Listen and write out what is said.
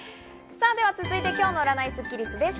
続いて今日の占いスッキりすです。